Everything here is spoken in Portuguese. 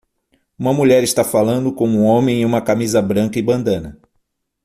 Uma mulher está falando com um homem em uma camisa branca e bandana